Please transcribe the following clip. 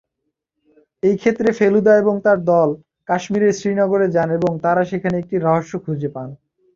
এই ক্ষেত্রে, ফেলুদা এবং তার দল কাশ্মীরের শ্রীনগরে যান এবং তারা সেখানে একটি রহস্য খুঁজে পান।